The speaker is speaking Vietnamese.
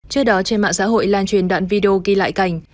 trước đó trên mạng xã hội lan truyền đoạn video ghi lại cảnh